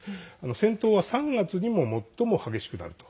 戦闘は３月に最も激しくなると。